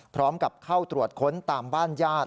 พร้อมกับเข้าตรวจค้นตามบ้านญาติ